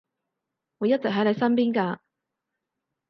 會一直喺你身邊㗎